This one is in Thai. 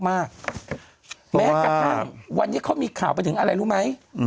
แม้กระทั่งวันนี้เขามีข่าวไปถึงอะไรรู้ไหม